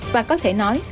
và có thể nói